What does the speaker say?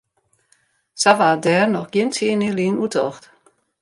Sa waard dêr noch gjin tsien jier lyn oer tocht.